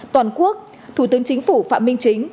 toàn quốc thủ tướng chính phủ phạm minh chính